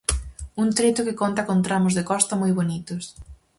Un treito que conta con tramos de Costa moi bonitos.